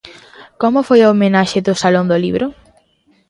Como foi a homenaxe do Salón do Libro?